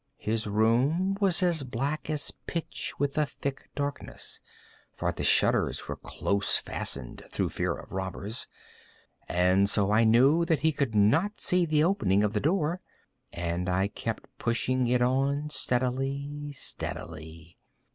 His room was as black as pitch with the thick darkness, (for the shutters were close fastened, through fear of robbers,) and so I knew that he could not see the opening of the door, and I kept pushing it on steadily, steadily.